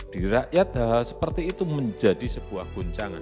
di rakyat hal hal seperti itu menjadi sebuah guncangan